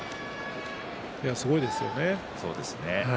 すごいですよね。